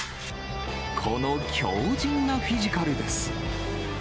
この強じんなフィジカルです。